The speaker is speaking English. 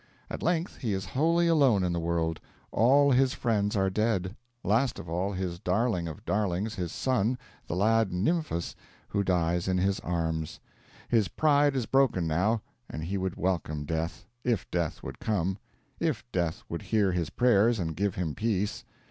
At length he is wholly alone in the world; all his friends are dead; last of all, his darling of darlings, his son, the lad Nymphas, who dies in his arms. His pride is broken now; and he would welcome Death, if Death would come, if Death would hear his prayers and give him peace.